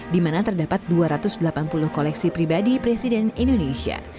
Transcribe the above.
di mana terdapat dua ratus delapan puluh koleksi pribadi presiden indonesia